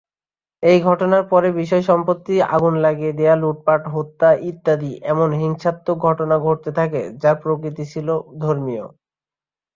এই ঘটনার পরে বিষয়-সম্পত্তি আগুন লাগিয়ে দেয়া, লুটপাট, হত্যা ইত্যাদি এমন হিংসাত্মক ঘটনা ঘটতে থাকে, যার প্রকৃতি ছিল ধর্মীয়।